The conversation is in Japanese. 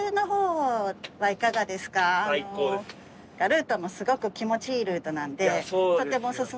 ルートもすごく気持ちいいルートなんでとってもおすすめです。